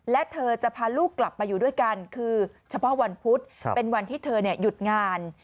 และเธอจะพาลูกกลับมาอยู่ด้วยกันคือเฉพาะวันพุธเป็นวันที่เธอหยุดงาน